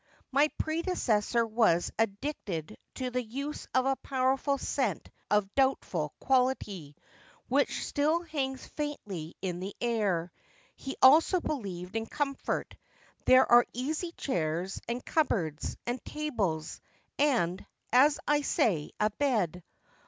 My predecessor was addicted to the use of a powerful scent of doubtful quality, which still hangs faintly in the air. He also believed in comfort. There are easy chairs, and cupboards, and tables, and, as I say, a bed.